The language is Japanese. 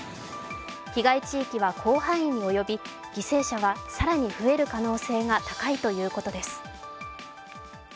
被害地域は広範囲に及び犠牲者は更に増える可能性が高いということです。